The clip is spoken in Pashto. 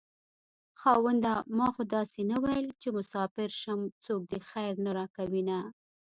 خاونده ما خو داسې نه وېل چې مساپر شم څوک دې خير نه راکوينه